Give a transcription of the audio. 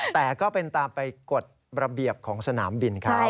แต่ก็เป็นตามไปกฎระเบียบของสนามบินเขา